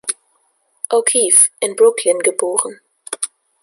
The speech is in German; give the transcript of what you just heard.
O’Keefe, in Brooklyn geboren.